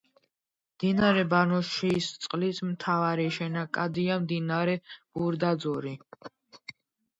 მდინარე ბანოშისწყლის მთავარი შენაკადია მდინარე ბურდაძორი.